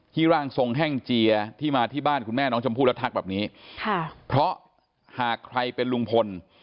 ร่างทรงแห้งเจียที่มาที่บ้านคุณแม่น้องชมพู่แล้วทักแบบนี้ค่ะเพราะหากใครเป็นลุงพล